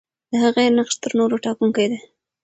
د هغې نقش تر نورو ټاکونکی دی.